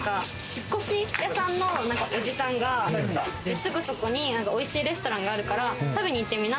引っ越し屋さんのおじさんがすぐそこにおいしいレストランがあるから食べに行ってみな！